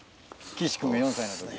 岸君が４歳の時に。